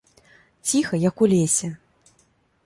Ціха, як у лесе.